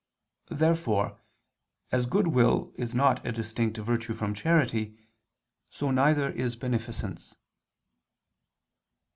Therefore as goodwill is not a distinct virtue from charity, so neither is beneficence.